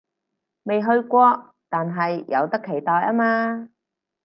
未去過，但係有得期待吖嘛